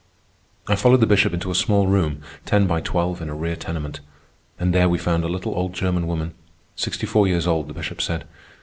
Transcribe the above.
I followed the Bishop into a small room, ten by twelve, in a rear tenement. And there we found a little old German woman—sixty four years old, the Bishop said.